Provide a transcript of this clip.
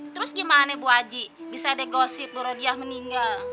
terus gimana bu haji bisa deh gosip bu rodiah meninggal